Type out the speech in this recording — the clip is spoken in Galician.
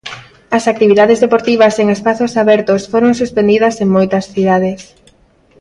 As actividades deportivas en espazos abertos foron suspendidas en moitas cidades.